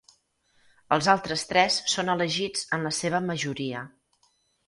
Els altres tres són elegits en la seva majoria.